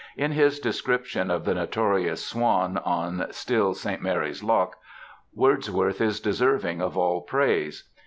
In his description of the notorious swan on still St. Mary^s Loch, Wordsworth is deserving of all praise.